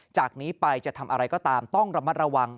จากนี้ไปจะทำอะไรก็ตามต้องระมัดระวัง